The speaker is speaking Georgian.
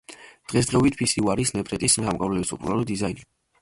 დღესდღეობით, ფი-სიუ არის ნეფრიტის სამკაულების პოპულარული დიზაინი.